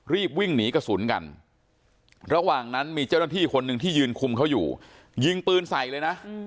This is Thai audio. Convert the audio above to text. รีบวิ่งหนีกระสุนกันระหว่างนั้นมีเจ้าหน้าที่คนหนึ่งที่ยืนคุมเขาอยู่ยิงปืนใส่เลยนะ